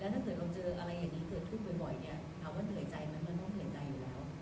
ถ้าเกิดเราเจออะไรอย่างนี้เกิดขึ้นบ่อยเนี่ยถามว่าเหนื่อยใจไหมมันต้องเหนื่อยใจอยู่แล้ว